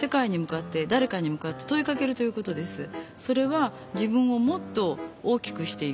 それは自分をもっと大きくしていく。